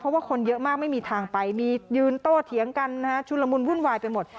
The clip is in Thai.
เพราะว่าคนเยอะมากไม่มีทางไปมียืนโต้เถียงกันนะฮะชุลมุนวุ่นวายไปหมด